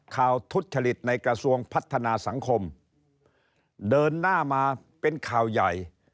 ทุจริตในกระทรวงพัฒนาสังคมเดินหน้ามาเป็นข่าวใหญ่